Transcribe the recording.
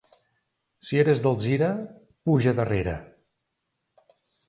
Si eres d'Alzira... puja darrere.